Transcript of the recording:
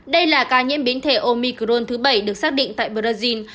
đây là ca nhiễm biến thể omicron thứ bảy được xác định tại brazil